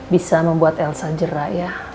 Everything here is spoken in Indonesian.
bisa membuat elsa jera ya